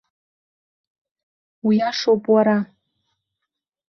Уиашоуп уара.